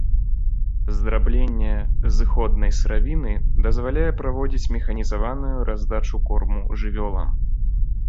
Здрабненне зыходнай сыравіны дазваляе праводзіць механізаваную раздачу корму жывёлам.